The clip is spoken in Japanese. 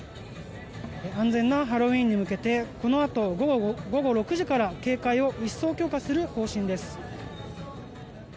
安全なハロウィーンに向けてこのあと午後６時から警戒を一層強化する方針です。